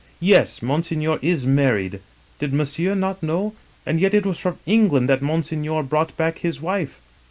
* Yes, Monseigneur is married. Did Monsieur not know ? And yet it was from England that Monseigneur brought back his wife.'